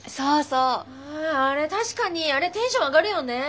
ああれ確かにあれテンション上がるよね。